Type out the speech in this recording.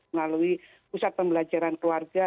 melalui pusat pembelajaran keluarga